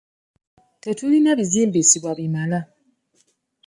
Tetulina bizimbisibwa bimala .